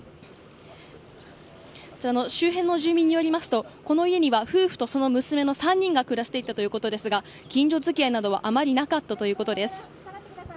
周辺の住民によりますとこの家には夫婦とその娘の３人が暮らしていたということですが近所付き合いなどはあまりなかったということです。